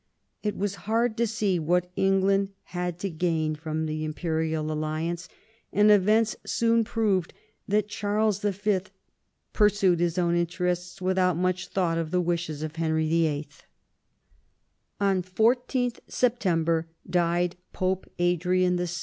It was hard to see what England had to gain from the imperial alliance, and events soon proved that Charles V. pursued his own interests without much thought of the wishes of Henry VIII. On 14th September died Pope Adrian VI.